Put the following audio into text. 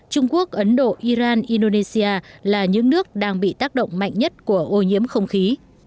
trung quốc ấn độ iran indonesia là những nước đang bị tác động mạnh nhất của ô nhiễm không khí